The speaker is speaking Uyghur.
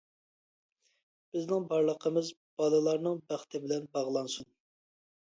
بىزنىڭ بارلىقىمىز بالىلارنىڭ بەختى بىلەن باغلانسۇن.